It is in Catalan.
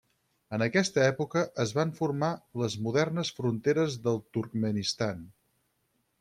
En aquesta època es van formar les modernes fronteres del Turkmenistan.